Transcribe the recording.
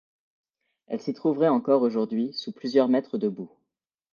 Elle s'y trouverait encore aujourd'hui sous plusieurs mètres de boue.